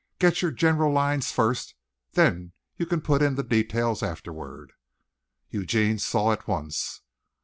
"Get your general lines first. Then you can put in the details afterward." Eugene saw at once.